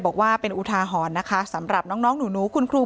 บอกว่าเป็นอุทาหอนนะคะสำหรับน้องน้องหนูหนูคุณครู